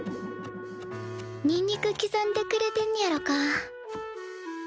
にんにく刻んでくれてんねやろか。